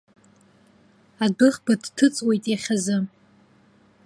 Адәыӷба дҭыҵуеит иахьазы!